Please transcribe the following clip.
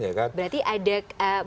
berarti ada kesalahan